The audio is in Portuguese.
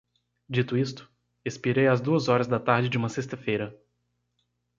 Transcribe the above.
Dito isto, expirei às duas horas da tarde de uma sexta-feira